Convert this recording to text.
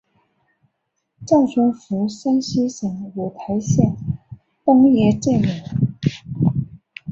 赵宗复山西省五台县东冶镇人。